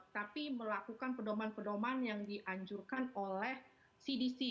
tapi melakukan pedoman pedoman yang dianjurkan oleh cdc